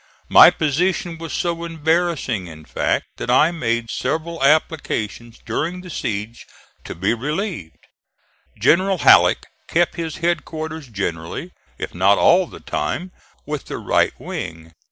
My position was so embarrassing in fact that I made several applications during the siege to be relieved. General Halleck kept his headquarters generally, if not all the time, with the right wing.